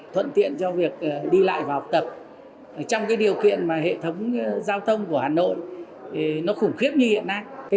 thuận tiện cho việc đi lại và học tập trong điều kiện mà hệ thống giao thông của hà nội khủng khiếp như hiện nay